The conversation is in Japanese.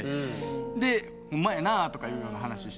でほんまやなとかいうような話してて。